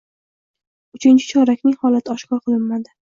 Uchinchi chorakning holati oshkor qilinmadi